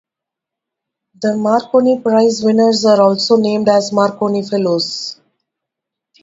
The Marconi Prize winners are also named as Marconi Fellows.